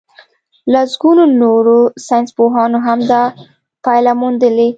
لسګونو نورو ساينسپوهانو هم دا پايله موندلې.